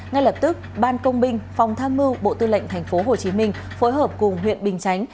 ngay lập tức ban công binh phòng tham mưu bộ tư lệnh tp hcm phối hợp cùng huyện bình chánh